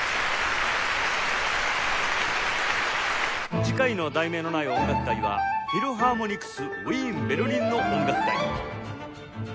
次回の『題名のない音楽会』は「フィルハーモニクスウィーン＝ベルリンの音楽会」